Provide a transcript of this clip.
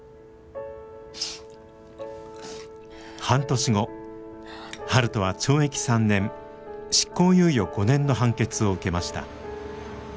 半年後悠人は懲役３年執行猶予５年の判決を受けました。